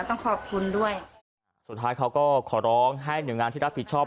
ต้องขอบคุณด้วยสุดท้ายเขาก็ขอร้องให้หน่วยงานที่รับผิดชอบ